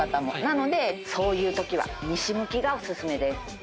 なのでそういうときは西向きがお薦めです。